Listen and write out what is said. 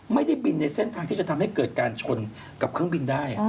ไม่ได้บินในเส้นทางที่จะทำให้เกิดการชนกับเครื่องบินได้